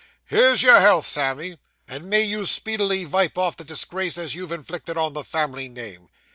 'Here's your health, Sammy, and may you speedily vipe off the disgrace as you've inflicted on the family name.